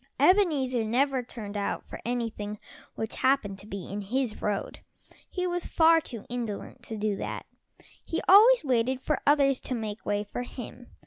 Ebenezer never turned out for anything which happened to be in his road. He was far too indolent to do that he always waited for others to make way for him.